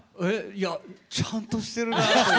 いやちゃんとしてるなって。